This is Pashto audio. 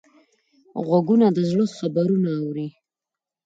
غوږونه د زړه خبرونه اوري